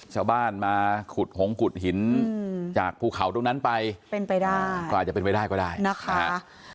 ชาวบ้านมาขุดหงขุดหินจากภูเขาตรงนั้นไปเป็นไปได้ก็อาจจะเป็นไปได้ก็ได้นะคะ